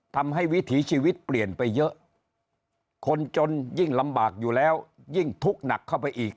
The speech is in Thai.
วิถีชีวิตเปลี่ยนไปเยอะคนจนยิ่งลำบากอยู่แล้วยิ่งทุกข์หนักเข้าไปอีก